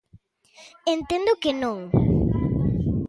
Entendo que non.